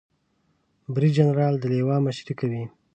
بریدجنرال د لوا مشري کوي